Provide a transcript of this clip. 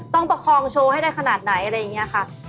ประคองโชว์ให้ได้ขนาดไหนอะไรอย่างนี้ค่ะ